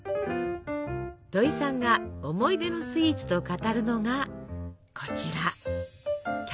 土井さんが思い出のスイーツと語るのがこちら。